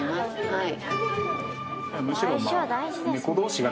はい。